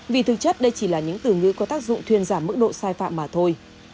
vì thực chất đây chỉ là những từ ngữ có tác dụng thuyên giảm mức độ sai phạm mà thôi